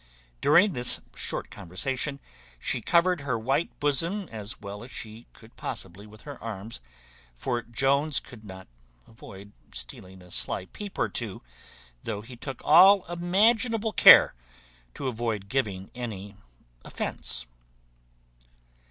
During this short conversation, she covered her white bosom as well as she could possibly with her arms; for Jones could not avoid stealing a sly peep or two, though he took all imaginable care to avoid giving any offence.